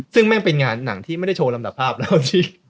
ซึ่งแม่งเป็นงานหนังที่ไม่ได้โชว์ลำดับภาพแล้ว